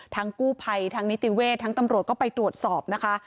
กู้ภัยทั้งนิติเวศทั้งตำรวจก็ไปตรวจสอบนะคะ